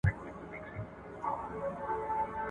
د نجونو تعليم د ګډو هڅو ثبات زياتوي.